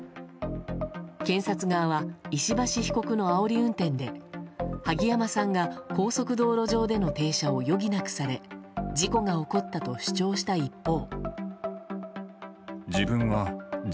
検察側は石橋被告のあおり運転で萩山さんが高速道路上での停車を余儀なくされ事故が起こったと主張した一方。